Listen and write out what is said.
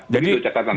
jadi itu catatan saya